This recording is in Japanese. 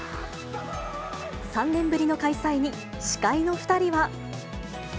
３年ぶりの開催に、司会の２人は。